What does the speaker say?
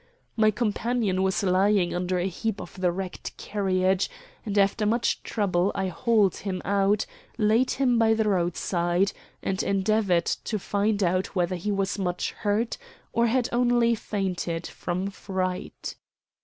My companion was lying under a heap of the wrecked carriage; and after much trouble I hauled him out, laid him by the roadside, and endeavored to find out whether he was much hurt, or had only fainted from fright.